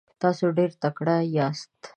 تاسو ډیر تکړه یاست.